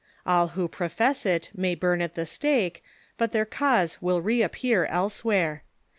All who profess it may burn at tbe stake, but tbeir cause will reappear elsewbere.